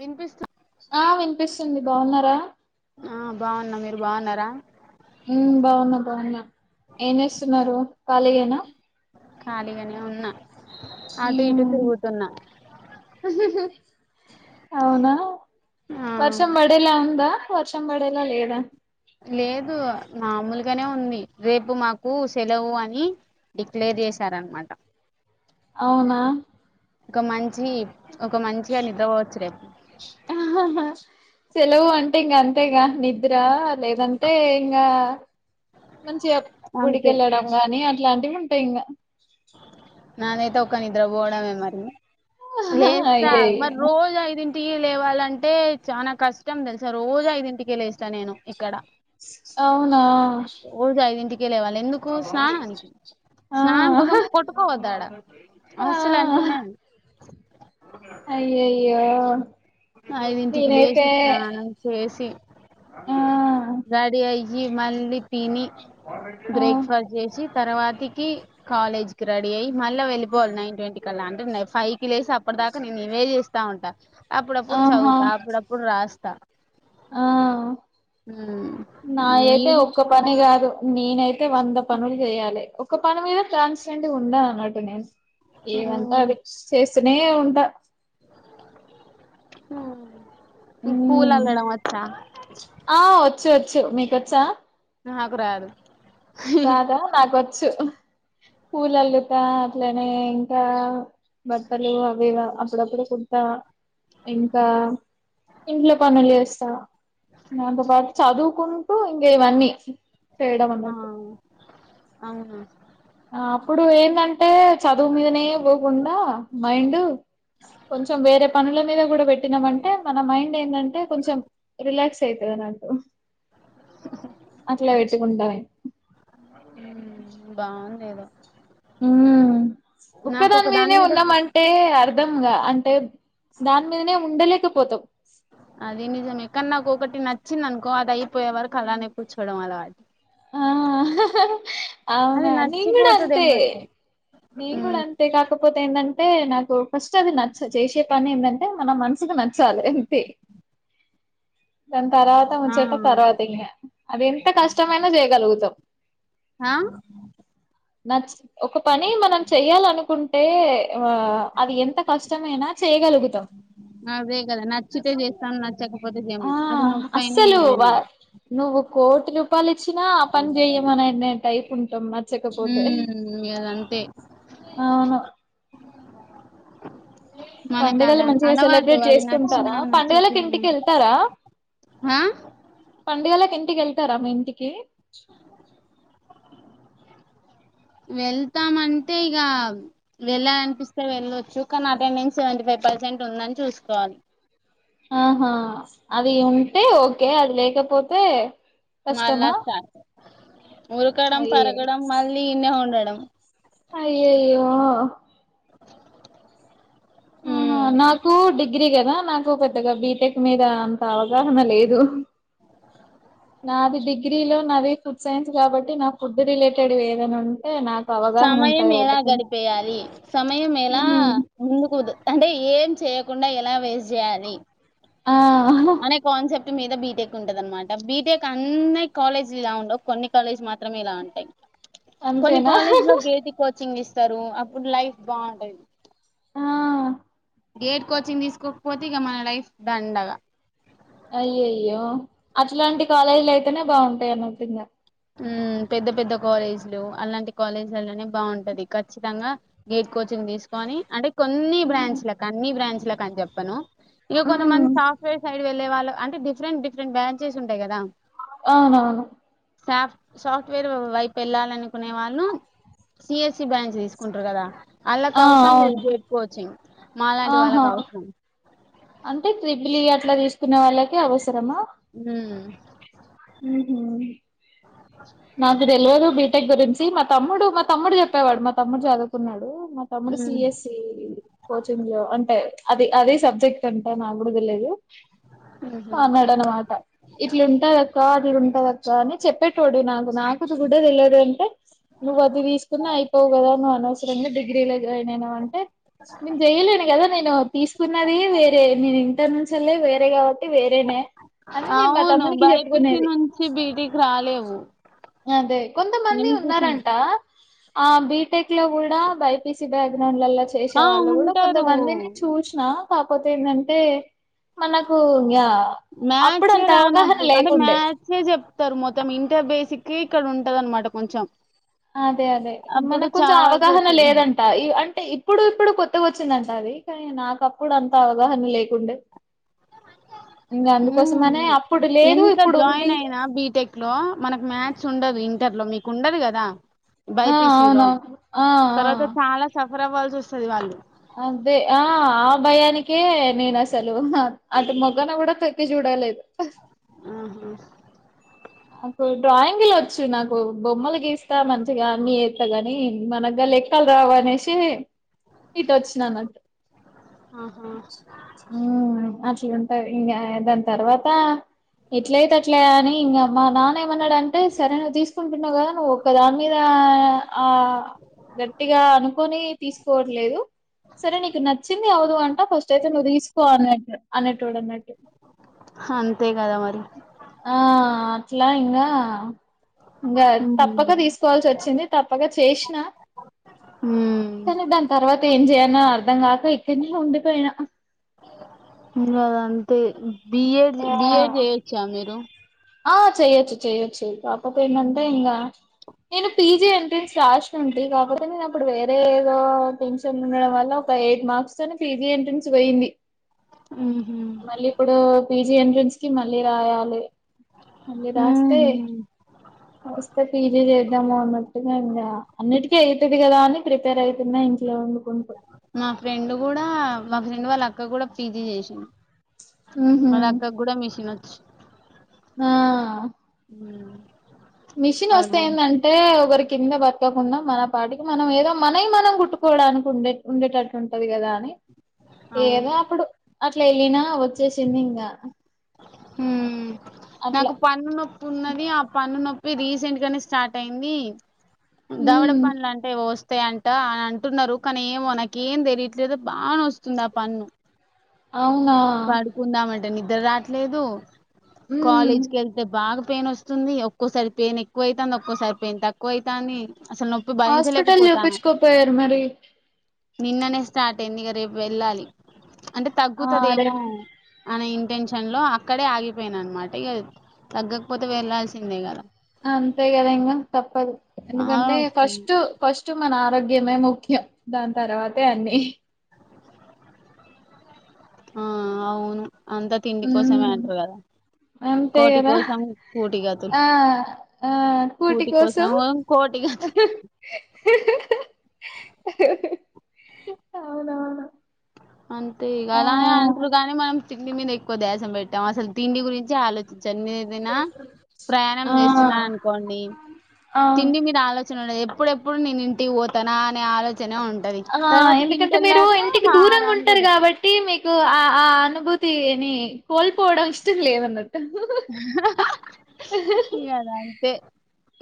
వినిపిస్తు ఆ వినిపిస్తుంది బాగున్నారా ఆ బాగున్న మీరు బాగున్నారా ఉ బాగున్నా బాగున్నా ఏం చేస్తున్నారు కాళీయేనా ఖాళీగానే ఉన్నా అటు ఇటు ఉమ్ తిరుగుతున్నా అవునా ఆ వర్షం బడేలా ఉందా వర్షం బడేలా లేదా లేదు మామూలుగానే ఉంది రేపు మాకు సెలవు అని డిక్లేర్ చే చేశారు అన్మాట అవునా ఒక మంచి ఒక మంచిగా నిద్రపోవచ్చు రేపు సెలవు అంటే ఇంకా అంతేగా నిద్ర లేదంతే ఇంకా మంచిగా గుడికి అంతే వెళ్ళడం గాని అట్లాంటివి ఉంటాయి ఇంకా నదైతే ఒక నిద్ర బోడమే మరి లేస్త మరి అయ్యయ్యో రోజు ఐది టీ లేవాలంటే చానా కష్టం తెలుసా రోజు ఐదింటికే లేస్తా నేను ఇక్కడ అవునా గెలేవాలే ఎందుకు స్నానానికి ఆ స్నానం కోసం కొట్టుకోవద్దాడా ఆ హాస్టల్ అంటేనే అయ్యయ్యో ఐదింటికి నేనైతే లేసి స్నానం చేసి ఆ రెడీ అయ్యి మళ్ళీ తిని ఆ బ్రేక్ఫాస్ట్ చేసి తర్వాతికి కాలేజ్ కి రెడీ అయ్యి మళ్ళా వెళ్ళిపోవాలి నైన్ ట్వంటీ క్కలా అంటే ఫైవ్ కి లేసి అప్పటి దాకా నేను ఇవే చేస్తా ఉంట అప్పుడప్పుడు ఆహా చదువుతా అప్పుడప్పుడు రాస్తా ఆ నా అయితే మీరు ఒక్క పని కాదు నేనైతే అయితే వంద పనులు చేయాలే ఒక పని మీద కాన్స్టాంట్ ఉండ అన్నట్టు నేను ఏదంటే అది చేస్తనే ఉంట హా నీకు మ్మ్ పూలల్లడం వచ్చా ఆ వచ్చు వచ్చు మీకొచ్చా నాకు రాదు రాదా నాకొచ్చు పూలల్లుతా అట్లనే ఇంకా బట్టలు అవి అప్పుడప్పుడు కుడతా ఇంకా ఇంట్లో పనులు జేస్తా దాంతో పాటు చదువుకుంటూ ఇంగ ఇవన్నీ చేేయడం ఆ అన్నట్టు అవునా అప్పుడు ఏందంటే చదువు మీదనే పోకుండా మైండు కొంచెం వేరే పనుల మీద కూడా బెట్టినామంటే మన మైండ్ ఏందంటే కొంచెం రిలాక్స్ అయితది అట్లా వెట్టుకుంటాయ్ ఉ బాన్ లేదో ఉ నాకు ఒక్కదాని ఒక దాని మీదనే మీద ఉన్నామంటే అర్ దంగ అంటే దాని మీదనే ఉండలేకపోతాం అది నిజమే కానీ నాకు ఒకటి నచ్చింది అనుకో అది అయిపోయే వరకు అలానే కూర్చోవడం అలవాట్ ఆ ఆహ్ ఆహ్ అది అవునా నేన్ గూడ నచ్చిపోతది అంతే ఎమ్మటే నేన్ గూడ ఉమ్, అంతే కాక పోతే ఏందంటే నాకు ఫస్ట్ అది నచ్చ చేసే పని ఏందం అంటే మన మనసుకు నచ్చాలే అంతే దన్ తర్వాత ఆ ముచ్చట తర్వాత ఇంగ అది ఎంత కష్టమైన్ కలుగుతాం ఆ నచ్ ఒక పని మనం చెయ్యాలనుకుంటే ఆ అవి ఎంత కష్టమైనా చేయగలుగుతాం అదేగదా నచ్చితే జేస్తాం నచ్చక హా అస్సలు వ నువ్వు కోటి రూపాయలు ఇ చ్చినా ఆ పని చెయమనే టైపు ఉంటాం నచ్చకపోతే ఉమ్ ఇగ అదంతే అవును మనకు పండుగలు అదాన్ మంచిగా అలవాటు సెలబ్రేట్ అది నచ్చిన చేసుకుంటారా పండుగలకి నచ్చకున్నా ఇంటికి వెళ్తారా హా పండుగలకు ఇంటికి ఎళ్తారా మీ ఇంటికి వెళ్తాం అంటే ఇగ వెళ్ళాలనిపిస్తే వెళ్ళొచ్చు కానీ అటెండెన్స్ సెవెన్టీ ఫైవ్ పర్సెంట్ ఉందని చూసుకోవాలి ఆహా అది ఉంటే ఓకే అది లేకపోతే మళ్ళా కష్టమా స్టార్టు ములకడం అయ్యే పరగడం మళ్ళీ ఈన్నే ఉండడం అయ్యోయ్యొ ఆహ మ్మ్ నాకు డిగ్ గ్రీ కదా నాకు పెద్దగా బీటెక్ మీద అంత అవగాహన లేదు నాది డిగ్రీ లో నాది ఫుడ్ సైన్స్ గాబట్టి నా ఫుడ్ రిలేటెడ్ ఏదైనా ఉంటే నాకు అవగాహన సమయం ఉంటాయి ఎలా వాటితోని గడిపేయాలి సమయం ఎలా ఉమ్ ముందుకు దు అంటే ఏం చేయ్యకుండా ఎలా వేస్ జేయాలి ఆ ఆహ మీద బీటెక్ ఉంటది అనమాట బీటెక్ అన్నీ కాలేజ్ లో ఉండవు కొన్ని కాలేజీలు మాత్రమే ఇలా ఉంటాయి అంతే కొన్ని కాలేజ్ లో గేట్ కోచింగ్ ఇస్తారు అప్పుడు లైఫ్ బాగుంటది ఆ గేట్ కోచింగ్ తీసుకోకపోతే ఇక మన లైఫ్ దండగా అయ్యయ్యో అట్లాంటి కాలేజీలు అయితేనే బాగుంటాయి అన్నట్టు ఇంగ ఊమ్ పెద్ద పెద్ద కాలేజీలు అలాంటి కాలేజీలలోనే బాగుంటది ఖచ్చితంగా గేట్ కోచింగ్ దీసుకోని అంటే కొన్ని ఉమ్ బ్రాంచు లకు అన్ని బ్రాంచు లకు అని చెప్పను ఇగ ఉమ్ కొంతమంది సాఫ్ట్వెర్ సైడ్ వెళ్లే వాళ్లు అంటే డిఫరెంట్ డిఫరెంట్ బ్రాంచెస్ ఉంటాయి గదా అవునవును శాఫ్ట్ సాఫ్ట్ వేర్ వైపు వెళ్ళాలనుకునే వాళ్ళు సిఎస్సి బ్రాంచ్ తీసుకుంటారు గదా ఆళ్ళకు ఆ అవసరం లేదు అవును గేట్ కోచింగ్ మాలాంటి ఆహా వాళ్ళకు అవసరం అంటే త్రిబ్లి అట్లా తీసుకునే వాళ్ళకే అవస ఊమ్ ఊహుమ్ నాకు తెలియదు బీటెక్ గురించి మా తమ్ముడు మా తమ్ముడు చెప్పేవాడు మా తమ్ముడు చదువుకున్నాడు మా తమ్ముడు ఉమ్, సిఎస్ సి కోచింగ్ లో అంటే అది అదే సబ్జెక్ట్ అంట నాకు గూడా తెలియదు ఉహు. అన్నాడు అన్నమాట ఇట్లుంటా అదిద ఉంటది అక్కా అని చెప్పేటోడు నాకు నా కొద్దిగుడా తెలియదు అంటే నువ్వు అది దీసుకున్న అయిపోవు గదా నువ్వు అనవసరంగా డిగ్రీ ల జాయిన్ అయినవ్ అంటే నేను చెయలేను కదా నేను తీసుకున్నది వేరే నే ఇంటర్ నుంచే నే వేరే కాబట్టి వేరేనే అని నేను మా తమ్ముకి చెప్ ఇసి నుంచి బీటికి రాలేవు అదే కొంతమంది వినిపిస్తుంది ఉన్నారంట ఆ బీటెక్ లో కూడా బైపీసి బ్యాగ్ దాన్నిలలో చేసే ఆ వాళ్ళు కూడా ఉంటారు కొంతమందిని చూసినా కాకపోతే ఏందంటే మనకు ఇంగా అప్పుడు మ్యాథ్సే అంత అవగాహన రానప్పుడు అంటే లేకుండే మ్యాథ్సే చెప్తారు మొత్తం ఇంటర్ బేసిక్ కి ఇక్కడ ఉంటది అన్నమాట కొంచెం అదే అదే అప్పుడు మనకు కొంచెం చావాల్సి అవగాహన వస్తది లేదంట ఈ అ ంటే ఇప్పుడు ఇప్పుడు కొత్తగా వచ్చిందంట అది కానీ నాకు అప్పుడు అంత అవగాహన లేకుండే ఇంకా ఉమ్ అందుకోసమనే అప్పుడు లేదు ఎంత ఇప్పుడు జాయిన్ ఉంది అయినా బీటెక్ లో మనకు మ్యాథ్స్ ఉండదు ఇంటర్ లో మీకు ఉండదు కదా ఆ బైపీసి లో అవునవును ఆ ఆ తర్వాత చాలా సఫర్ అవ్వాల్సి వస్తది వాళ్ళు అదే ఆ ఆ భయానికే నేను అసలు అటు మొగ్గన కూడా తోకి చూడలేదు ఉహుమ్ నాకు డ్రాయింగ్లు వచ్చు నాకు బొమ్మలు గీస్తా మంచిగా మీ ఎస్తా గాని మన్గర లెక్కలు రావు అనేసి ఇటు వచ్చినన్నటు ఆహా ఇంకా దాని తర్వాత ఎట్లయితే అట్లే అని ఇంకా మా నాన్న ఏమన్నాడంటే సరే నువ్వు తీసుకుంటున్నావు కదా నువ్వు ఒక దాని మీద ఆ గట్టిగా అనుకోని తీసుకోవట్లేదు సరే నీకు నచ్చింది అవుదువు అంటా ఫస్ట్ అయితే ను దిస్కో తీసుకో అన్నట్టు అనేటోడు అన్నట్టు అంతే కదా మరి ఆ అట్లా ఇంకా ఇంకా ఉమ్ తప్పక తీసుకోవాల్సి వచ్చింది తప్పక చేసినా ఉమ్ కానీ దాని తర్వాత ఏం చేయాలి అయిన్నా అర్ధంగాక ఇక్కడినే ఉండి పోయినా బిఏడ్ బిఏడ్ చేయొచ్చా మీరు ఆ చెయ్యొచ్చు చెయ్యొచ్చు కపోతే ఎందంటే ఇంకా నేను పీజీ ఎంట్రెన్స్ రాసి ఉంటి కాకపోతే నేను అప్పుడు వేరే ఏదో టెన్షన్ ఉండడం వల్ల ఒక ఎయిట్ మార్క్స్ తోని పిజీ ఎంట్రన్స్ పోయింది ఉహు మళ్ళీ ఇప్పుడు పిజి ఎంట్రెన్స్ కి మళ్ళీ రాయాలి మళ్ళి రాస్తే ఉహు వస్తే పీజీ చే ద్దాము అన్నట్టుగా ఇంకా అన్నిటికీ అవుతది కదా అని ప్రిపేర్ అవుతున్నా ఇంట్లో వండుకుంటూ నా ఫ్రెండ్ కూడా మా ఫ్రెండ్ వాళ్ళ అక్క కూడా పీజీ చేసింది ఉహు వాళ్ళ అక్క కు గుడా మెషిన్ వచ్చు ఆ అమ్ మిషిన్ వస్తే ఏంటంటే ఒకరికి కింద బతకకుండా మన పాటికి మనం ఏదో మన మనం కుట్టుకోవడానికి ఉండే ఉండేటట్టు ఉంటది కదా అవును ఏదా అప్పుడు అట్లా వెళ్ళినా వచ్చేసింది ఇంకా అట్లా నాకు పన్ను నొప్పి ఉన్నది ఆ పన్ను నొప్పి ఇ రీసెంట్ గానే స్టార్ట్ అయింది దవడ ఉమ్ పనుడ్ల అంటే ఓస్ వస్తాయంట అని అంటున్నారు కానీ ఏమో నాక ఏం తెలియట్లేదు బాగా నొస్తుంది ఆ పన్ను అవునా అంటే నిద్ర రాట్లేదు ఉమ్ కాలేజ్కి వెళ్తే బాగా పెయిన్ వస్తుంది ఒక్కోసారి పెయిన్ ఎక్కువ అయితుంది ఒక్కోసారి పెయిన్ తక్కువా అయితాంది అసలు నొప్పి భరించలేక హాస్పిటల్ పోతాన్నా చూపించుకోపోయారు మరి నిన్ననే స్టార్ట్ అయింది ఇక రేపు వెళ్ళాలి అంటే ఆ తగ్గుతది ఏమో రేపు అని ఇ టెన్షన్ లో అక్కడే ఆగిపోయిన అనమాట ఇక తగ్గకపోతే వెళ్ళల్సిందే ఇగా అంతే కదా ఇంకా తప్పదు బాగా ఎందుకంటే వస్తుంది ఫస్ట్ ఫస్ట్ మ నా తగ్గిందే ముఖ్యం దాని తర్వాతే అన్ని ఆ అవును అంతా తిండి ఉమ్ కోసమేంటరు కదా అంతే కోటి కదా కోసం కూటిగతులు ఆ ఆ కూటి కోసం అవునవును అంతే ఇగ ఆ అలానే అంటారు కానీ మనం తిండి మీద ఎక్కువ ధ్యాస పెట్టాం అసలు తిండి గురించే ఆలోచించ మీరు నిన్న ప్రయాణం ఆ చేస్తున్నాను అనుకోండి అవును తిండి మీద ఆలోచన ఉండది ఎప్పుడెప్పుడు నేను ఇంటికి పోతాన అనే ఆలోచన నే ఉంటది ఆ తర్వాత కింటెళ్ళాక అంటారు కాబట్టి మీకు ఆ ఆ అనుభూతిని కోల్పోవడం ఇష్టం లేదన్నటు ఇగ అది అంతే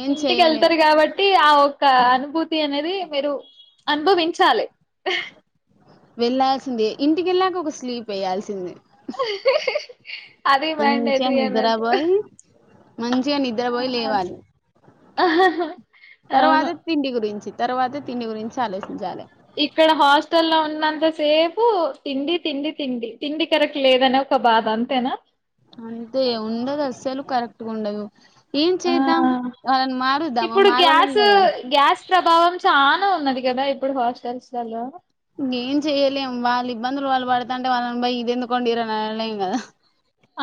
ఏం ఇంటికి చెయ్యలేం వెళ్తారు కాబట్టి ఆ ఒక అను భూతి అనేది మీరు అనుభవించాలి వెళ్లాల్సిందే ఇంటికెళ్ళాక ఒక స్లీప్ ఏయ్యాల్సిందే అది మంచిగా మాండేటరీ అన్నట్టు నిద్రపోయి మంచిగా నిద్రపోయి లేవాలి అవును తర్వాత తిండి గురించి తర్వాత తిండి గురించి ఆలోచించాలి ఇక్కడ హాస్టల్ లో ఉన్నంత సేపు తిండి తిండి తిండి తిండి కరెక్ట్ లేదన ఒక బాధా అంతేనా అంతే ఉండదు అస్సలు కరెక్ట్గా ఉండదు ఏం ఆ చేద్దాం వాళ్ళని మారుద్దామా ఇప్పుడు మారవలేం గ్యాస్ కదా గ్యాస్ ప్రభావం చా ఉన్నది కదా ఇప్పుడు హాస్టల్స్లలో ఇక ఏం చెయ్యలేం వాళ్ళు ఇబ్బందులు వాళ్ళు పడుతంటే వాళ్ళని బోయి ఇది ఎందుకోండిరు అని అనలేం కదా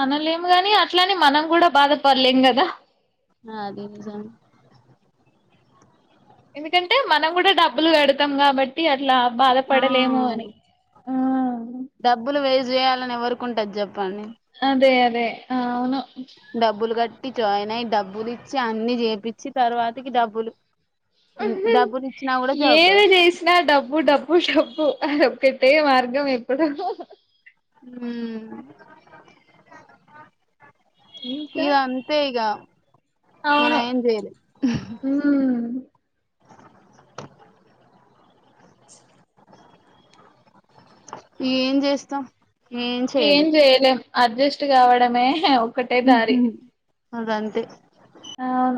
అనలేము గాని అట్లనే మనం కూడా బాధపడలేం కదా ఆ అది నిజమే ఎందుకంటే మనం కూడా డబ్బులు కడతాం కాబట్టి టి అట్లా ఆ బాధపడలేము అని మ్మ్ డబ్బులు వేస్ట్ చేయాలని ఎవరికి ఉంటది చెప్పండి అదే అదే ఆ అవును డబ్బులు కట్టి జాయిన్ అయి డబ్బులిచ్చి అన్ని చేపిచ్చి తర్వాతికి డబ్బులు డబ్బులు ఇచ్చినా కూడా జాబ్ ఏమి రాదు చేసినా డబ్బు డబ్బు డబ్బు అది ఓ పెట్టే మార్గం ఎప్పుడు హ్మ్ ఇంకా ఇగా అంతే ఇగా మనం అవును ఎం చేయలేం ఉమ్ ఏం చేస్తాం ఏం చేయలే అడ్జస్ట్ కావడమే హ్ ఒక్కటే దారి అదంతే అవును